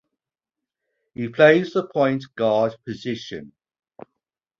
He plays the point guard position.